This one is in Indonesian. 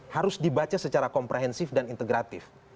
harus dibaca secara komprehensif dan integratif